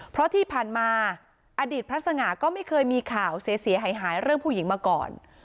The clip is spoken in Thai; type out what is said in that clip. เพราะที่ผ่านมาอดีตพระสง่าก็ไม่เคยมีข่าวเสียหายเรื่องผู้หญิงมาก่อน